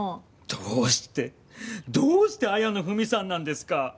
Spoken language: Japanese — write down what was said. どうしてどうして綾野文さんなんですか？